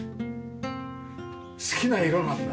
好きな色なんだ。